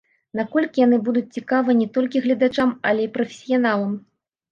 Наколькі яны будуць цікавы не толькі гледачам, але і прафесіяналам?